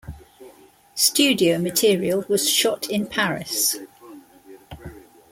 Studio material was shot in Paris.